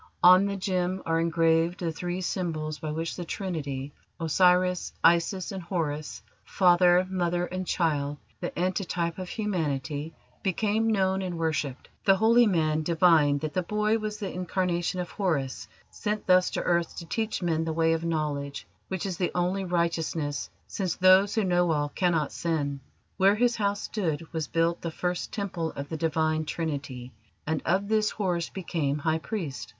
On the gem are engraved the three symbols by which the Trinity Osiris, Isis, and Horus; Father: Mother, and Child, the antetype of Humanity became known and worshipped. The holy man divined that the boy was the incarnation of Horus sent thus to earth to teach men the way of knowledge, which is the only righteousness, since those who know all cannot sin. Where his house stood was built the first Temple of the Divine Trinity, and of this Horus became High Priest.